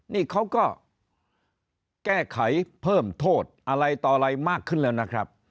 นี่เขาก็แก้ไขเพิ่มโทษอะไรต่ออะไรมากขึ้นแล้วนะครับ